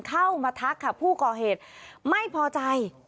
เข้ามาทักค่ะผู้ก่อเหตุไม่พอใจ